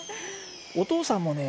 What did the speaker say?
お父さんもね